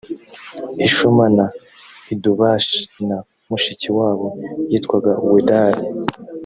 ishuma na idubashi na mushiki wabo yitwaga wedari